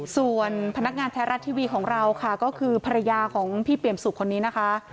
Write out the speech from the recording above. ส่วนพนักงานไทยรัฐทีวีของเราค่ะก็คือภรรยาของพี่เปี่ยมสุขคนนี้นะคะ